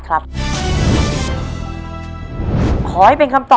ตัวเลือกที่สี่นายชาญชัยสุนทรมัตต์